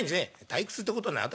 「退屈ってことない。